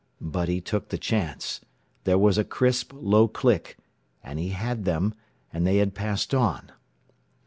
But he took the chance, there was a crisp, low click and he had them, and they had passed on.